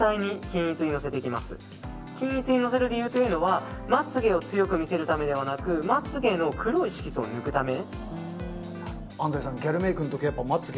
均一にのせる理由はまつ毛を強く見せるためではなくまつ毛の黒い色素を抜くため。